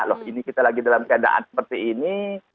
loh ini kita lagi dalam keadaan seperti ini